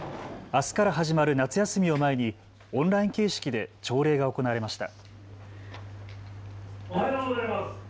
あすから始まる夏休みを前にオンライン形式で朝礼が行われました。